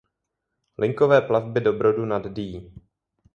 Linkové plavby do Brodu nad Dyjí.